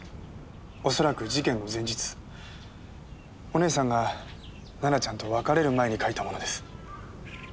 おそらく事件の前日お姉さんが奈々ちゃんと別れる前に書いたものです。